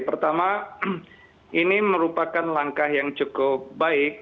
pertama ini merupakan langkah yang cukup baik